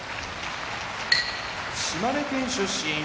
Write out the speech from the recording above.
島根県出身